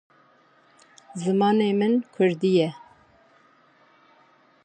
Piştî vê tomarê rawestîne.